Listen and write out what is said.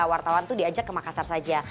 wartawan itu diajak ke makassar saja